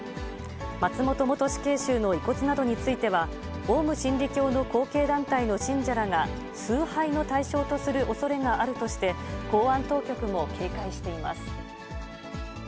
松本元死刑囚の遺骨などについては、オウム真理教の後継団体の信者らが崇拝の対象とするおそれがあるとして、公安当局も警戒しています。